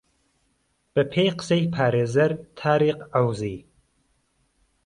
بە پێی قسەی پارێزەر تاریق عەوزی